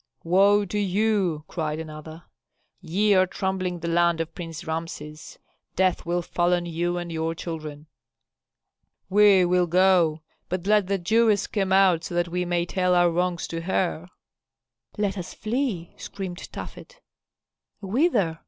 "Woe to you!" cried another. "Ye are trampling the land of Prince Rameses. Death will fall on you and your children." "We will go, but let the Jewess come out so that we may tell our wrongs to her." "Let us flee!" screamed Tafet. "Whither?"